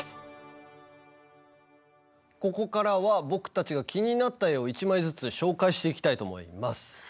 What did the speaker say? ここからは僕たちが気になった絵を１枚ずつ紹介していきたいと思います。